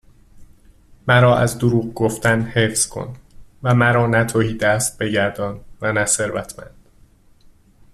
مرا از دروغ گفتن حفظ کن و مرا نه تهیدست بگردان و نه ثروتمند